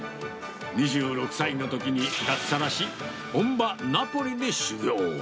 ２６歳のときに脱サラし、本場、ナポリで修業。